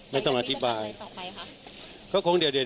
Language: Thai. ไม่ต้องอธิบาย